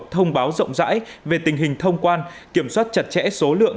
thông báo rộng rãi về tình hình thông quan kiểm soát chặt chẽ số lượng